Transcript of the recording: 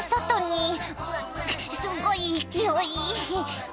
うっすごい勢い。